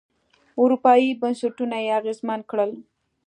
اروپايي بنسټونه یې اغېزمن کړل.